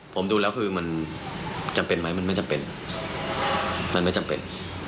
ผมดูแล้วคือมันจำเป็นไหมมันไม่จำเป็น